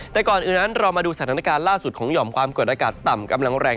แต่ก่อนอื่นนั้นเรามาดูสถานการณ์ล่าสุดของหย่อมความกดอากาศต่ำกำลังแรง